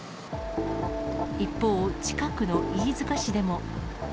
一方、近くの飯塚市でも。